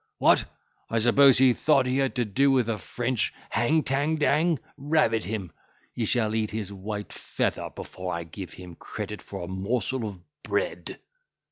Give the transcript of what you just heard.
What! I suppose he thought he had to do with a French hang tang dang, rabbit him! he shall eat his white feather, before I give him credit for a morsel of bread."